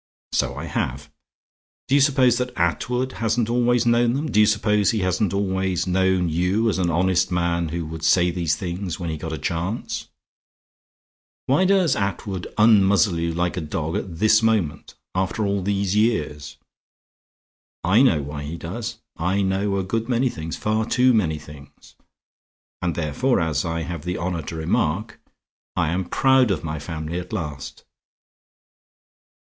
So I have. Do you suppose that Attwood hasn't always known them? Do you suppose he hasn't always known you as an honest man who would say these things when he got a chance? Why does Attwood unmuzzle you like a dog at this moment, after all these years? I know why he does; I know a good many things, far too many things. And therefore, as I have the honor to remark, I am proud of my family at last."